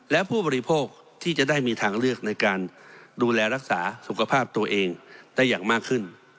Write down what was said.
และผู้บริโภคที่จะได้มีทางเลือกในการดูแลรักษาสุขภาพตัวเองได้อย่างมากขึ้น